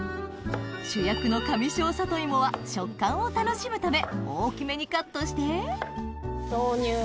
主役の上庄さといもは食感を楽しむため大きめにカットして投入！